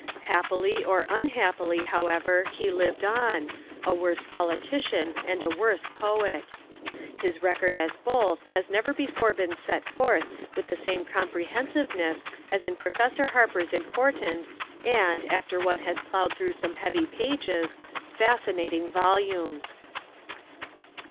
Happily or unhappily, however, he lived on, a worse politician and a worse poet. His record as both has never before been set forth with the same comprehensiveness as in Professor Harper's important and, after one has ploughed through some heavy pages, fascinating volumes.